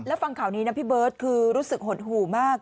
แล้วฟังข่าวนี้นะพี่เบิร์ตคือรู้สึกหดหู่มาก